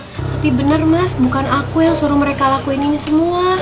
tapi bener mas bukan aku yang suruh mereka lakuin ini semua